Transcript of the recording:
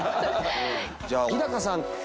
じゃあ日高さん。